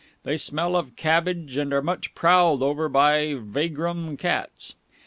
They smell of cabbage and are much prowled over by vagrom cats.